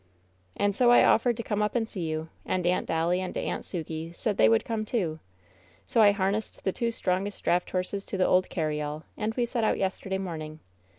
"And so I offered to come up and see you. And Aunt Dolly and Aunt Sukey said they would come, too. So I harnessed the two strongest draft horses to the old car ryall, and we set out yesterday morning.